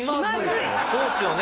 そうですよね。